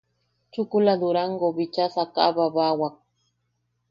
Chukula Durangou bicha sakaʼababawak.